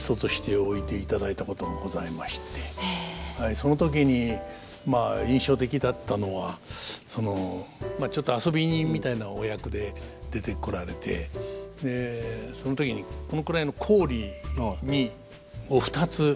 その時にまあ印象的だったのはそのちょっと遊び人みたいなお役で出てこられてその時にこのくらいの行李を２つ持ってこられてですね